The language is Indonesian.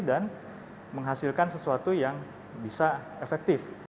dan menghasilkan sesuatu yang bisa efektif